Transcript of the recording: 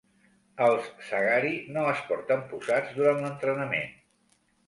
Els "sagari" no es porten posats durant l'entrenament.